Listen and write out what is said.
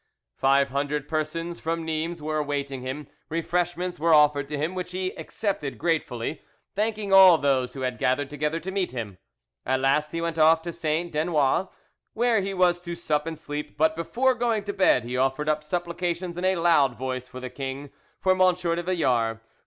Five hundred persons from Nimes were awaiting him; refreshments were offered to him, which he accepted gratefully, thanking all those who had gathered together to meet him. At last he went off to St. Denoise, where he was to sup and sleep; but before going to bed he offered up supplications in a loud voice for the king, for M. de Villars, for M.